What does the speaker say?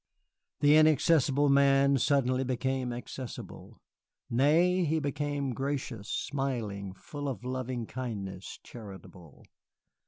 The inaccessible Man suddenly became accessible. Nay, he became gracious, smiling, full of loving kindness, charitable.